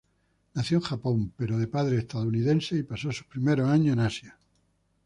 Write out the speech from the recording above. Nació en Japón, pero de padres estadounidenses y pasó sus primeros años en Asia.